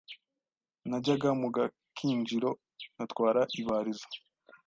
najyaga mu gakinjiro nkatwara ibarizo